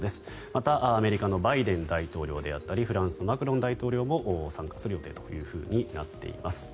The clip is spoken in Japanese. また、アメリカのバイデン大統領であったりフランスのマクロン大統領も参加する予定となっています。